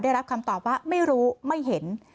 ได้รับคำตอบว่าไม่รู้ไม่เห็น